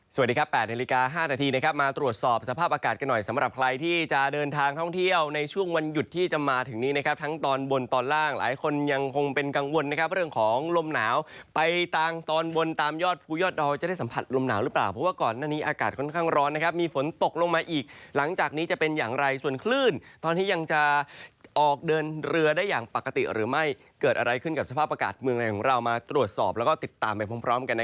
สวัสดีครับ๘นาฬิกา๕นาทีนะครับมาตรวจสอบสภาพอากาศกันหน่อยสำหรับใครที่จะเดินทางท่องเที่ยวในช่วงวันหยุดที่จะมาถึงนี้นะครับทั้งตอนบนตอนล่างหลายคนยังคงเป็นกังวลนะครับเรื่องของลมหนาวไปต่างตอนบนตามยอดภูยอดอ่อจะได้สัมผัสลมหนาวหรือเปล่าเพราะว่าก่อนหน้านี้อากาศค่อนข้างร้อนนะครับมี